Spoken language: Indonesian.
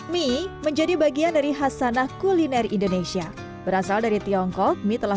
mi menjadi bagian dari khas sanah kuliner indonesia berasal dari tiongkok mi telah